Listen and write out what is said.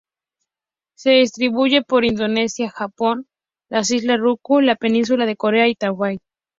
Se distribuye por Indochina, Japón, las Islas Ryukyu, la Península de Corea y Taiwán.